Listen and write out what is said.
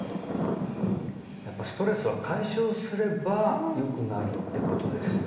やっぱストレスは解消すればよくなるってことですね